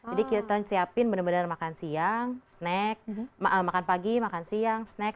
jadi kita siapin benar benar makan siang snack makan pagi makan siang snack